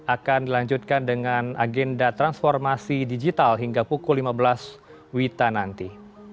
akan dilanjutkan dengan agenda transformasi digital hingga pukul lima belas wita nanti